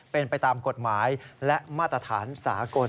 เป็นไปตามกฎหมายและมาตรฐานสากล